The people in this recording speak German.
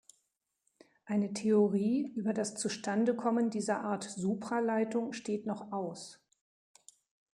Eine Theorie über das Zustandekommen dieser Art Supraleitung steht noch aus.